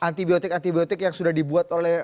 antibiotik antibiotik yang sudah dibuat oleh